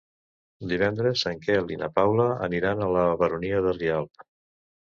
Divendres en Quel i na Paula aniran a la Baronia de Rialb.